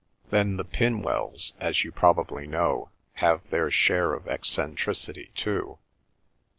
Then the Pinwells, as you probably know, have their share of eccentricity too.